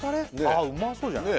あうまそうじゃない？